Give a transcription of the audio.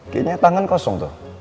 kayaknya tangan kosong tuh